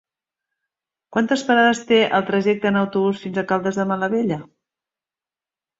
Quantes parades té el trajecte en autobús fins a Caldes de Malavella?